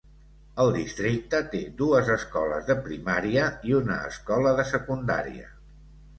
El districte té dues escoles de primària i una escola de secundària.